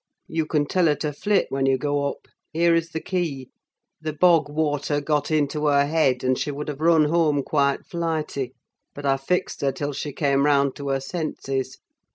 You can tell her to flit, when you go up; here is the key. The bog water got into her head, and she would have run home quite flighty, but I fixed her till she came round to her senses.